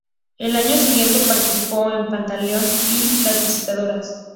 El año siguiente participó en "Pantaleón y las visitadoras".